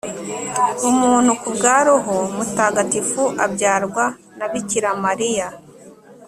umuntu ku bwa roho mutagatifu, abyarwa na bikira mariya.